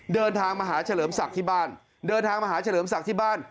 เดินทางมาหาเฉลิมศักดิ์ที่บ้านเดินทางมาหาเฉลิมศักดิ์ที่บ้าน